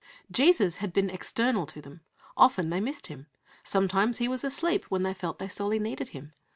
Jesus had been external to them. Often they missed Him. Sometimes He was asleep when they felt they sorely needed Him.